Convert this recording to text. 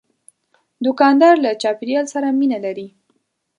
دوکاندار له چاپیریال سره مینه لري.